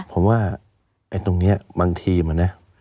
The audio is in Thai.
ผมว่าไอ้ตรงเนี้ยบางทีมอะเนี้ย